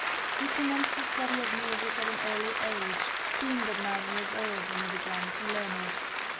He commenced the study of music at an early age, being but nine years old when he began to learn it.